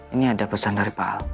ini ada pesan dari pak ahok